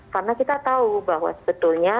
karena kita tahu bahwa sebetulnya